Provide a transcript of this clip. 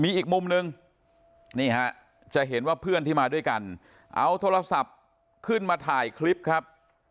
อีกมุมนึงนี่ฮะจะเห็นว่าเพื่อนที่มาด้วยกันเอาโทรศัพท์ขึ้นมาถ่ายคลิปครับ